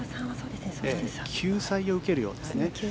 救済を受けるようですね。